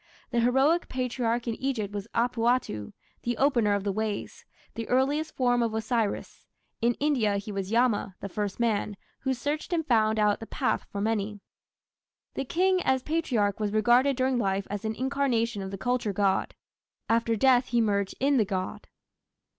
The heroic Patriarch in Egypt was Apuatu, "the opener of the ways", the earliest form of Osiris; in India he was Yama, the first man, "who searched and found out the path for many". The King as Patriarch was regarded during life as an incarnation of the culture god: after death he merged in the god.